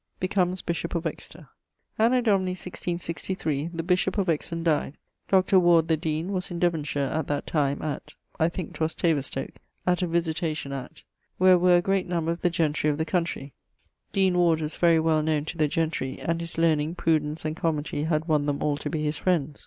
<_Becomes bishop of Exeter._> Anno Domini 1663, the bishop of Exon dyed: Dr. Ward, the deane, was in Devonshire at that time, at ... (I thinke 'twas Taverstoke), at a visitation at ...,[XCVII.] where were a great number of the gentrey of the countrey. Deane Ward was very well knowne to the gentry, and his learning, prudence, and comity had wonne them all to be his friends.